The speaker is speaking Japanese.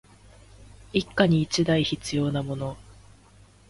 一家に一台必要なもの